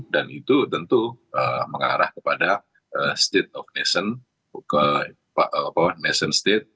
dan itu tentu mengarah kepada state of nation ke nation state